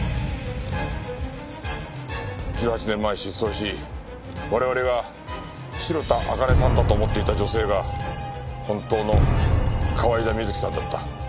１８年前失踪し我々が白田朱音さんだと思っていた女性が本当の河井田瑞希さんだった。